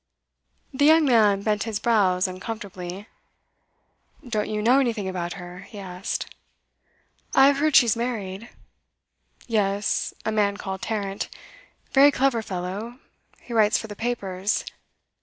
The young man bent his brows uncomfortably. 'Don't you know anything about her?' he asked. 'I've heard she's married.' 'Yes, a man called Tarrant. Very clever fellow; he writes for the papers.